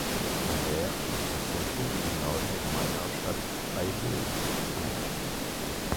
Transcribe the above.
Malere schließt das Zentrum und den Norden der Gemeindehauptstadt Aileu ein.